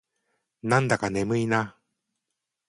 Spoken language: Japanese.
なんだか眠いな。